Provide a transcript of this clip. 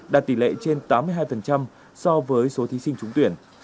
đạt tỷ lệ trên tám mươi hai so với số thí sinh trúng tuyển